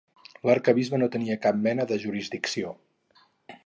L'arquebisbe no hi tenia cap mena de jurisdicció.